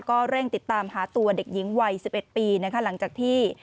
ก็เร่งติดตามหาตัวเด็กหญิงวัย๑๑ปีนะคะหลังจากที่